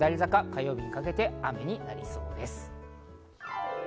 火曜日にかけて雨になりそうです。